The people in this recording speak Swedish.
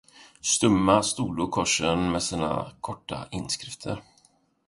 Stumma stodo korsen med sina korta inskrifter.